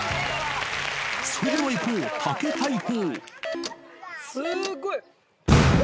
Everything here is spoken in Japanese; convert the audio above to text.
それではいこう、竹大砲。